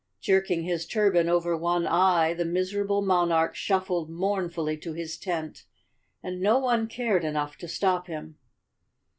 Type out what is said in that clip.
Jerking his tur¬ ban over one eye, the miserable monarch shuffled mournfully to his tent, and no one cared enough to stop him.